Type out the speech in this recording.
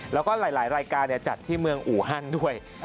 แล้วก็หลายรายการจัดที่เมืองอูฮันด้วย